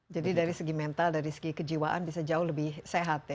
jadi dari segi mental dari segi kejiwaan bisa jauh lebih sehat ya